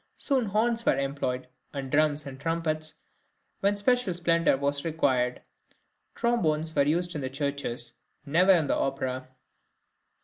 Soon horns were employed, and drums and trumpets when special splendour was required; trombones were used in the churches, never in the opera.